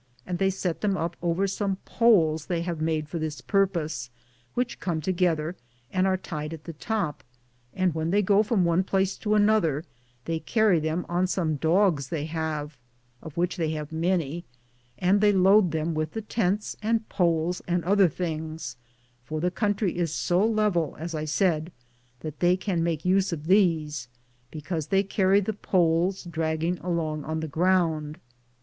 sit, Google THE JOURNEY OF CORONADO they set them up over some poles they have made for this purpose, which come together and are tied at the top, and when they go from one place to another they carry them on some dogs they have, of which they have many, and they load them with the tents and poles and other things, for the country is so level, as I said, that they can make nse of these, because they carry the poles drag ging along on the ground.